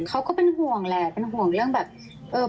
ก็เป็นห่วงแหละเป็นห่วงเรื่องแบบเออ